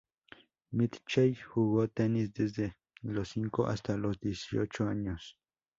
Mitchell jugó tenis desde los cinco hasta los dieciocho años.